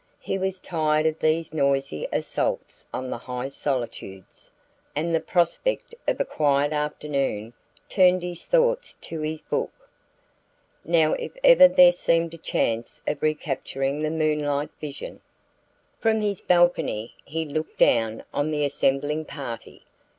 He was tired of these noisy assaults on the high solitudes, and the prospect of a quiet afternoon turned his thoughts to his book. Now if ever there seemed a chance of recapturing the moonlight vision... From his balcony he looked down on the assembling party. Mrs.